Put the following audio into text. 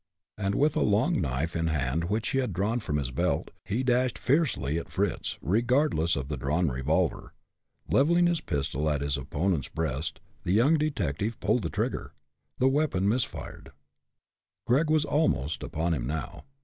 And with a long knife in hand which he had drawn from his belt, he dashed fiercely at Fritz, regardless of the drawn revolver. Leveling his pistol at his opponent's breast, the young detective pulled the trigger. The weapon missed fire. Gregg was almost upon him now.